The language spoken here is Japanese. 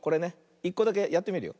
１こだけやってみるよ。